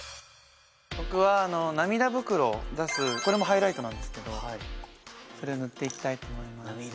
僕は涙袋出すこれもハイライトなんですけどそれを塗っていきたいと思います